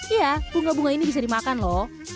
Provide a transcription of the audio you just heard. iya bunga bunga ini bisa dimakan loh